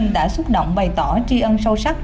đã xúc động bày tỏ tri ân sâu sắc